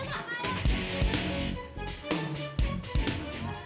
itu mereka di mana